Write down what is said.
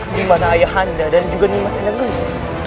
gimana ayah anda dan juga nih mas endang gelis